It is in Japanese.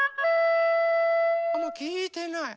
あもうきいてない。